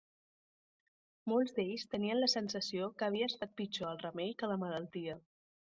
Molts d'ells tenien la sensació que havia estat pitjor el remei que la malaltia.